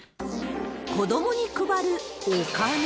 子どもに配るお金。